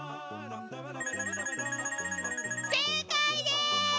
正解です！